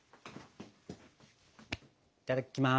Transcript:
いただきます。